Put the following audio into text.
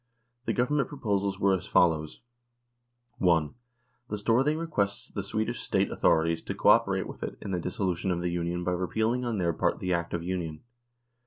The Government proposals were as follows : 1. The Storthing requests th Swedish State authorities to co operate with it in the dissolution of the Union by repealing on their part the Act of Union.